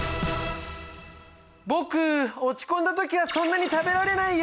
僕落ち込んだ時はそんなに食べられないよ。